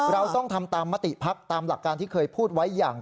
เราต้องทำตามมติภักดิ์ตามหลักการที่เคยพูดไว้อย่าง